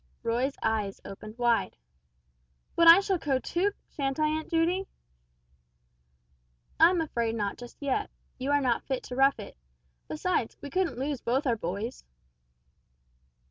Roy's eyes opened wide. "But I shall go too, shan't I, Aunt Judy?" "I am afraid not just yet. You are not fit to rough it; besides we couldn't lose both our boys!"